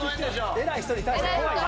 偉い人に対して怖いな。